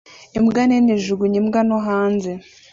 Imbwa nini ijugunya imbwa nto hanze